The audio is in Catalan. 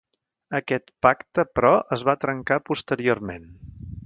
Aquest pacte, però, es va trencar posteriorment.